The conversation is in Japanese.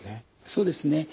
そうですね。